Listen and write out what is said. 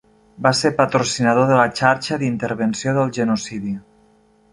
Va ser patrocinador de la Xarxa d'intervenció del Genocidi.